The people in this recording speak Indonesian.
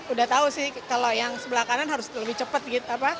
udah tau sih kalau yang sebelah kanan harus lebih cepat gitu